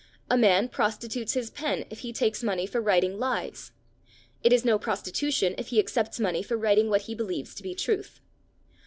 A man prostitutes his pen if he takes money for writing lies; it is no prostitution if he accepts money for writing what he believes to be truth.